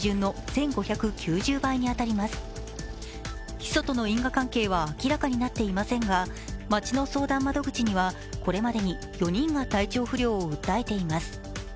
ヒ素との因果関係は明らかになっていませんが町の相談窓口にはこれまでに４人が体調不良を訴えています。